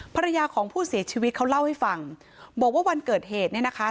ภรรยาของผู้เสียชีวิตเขาเล่าให้ฟังบอกว่าวันเกิดเหตุเนี่ยนะคะ